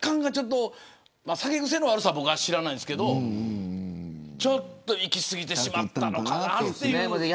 酒癖の悪さは僕は知らないんですけどちょっと行き過ぎてしまったのかなっていう。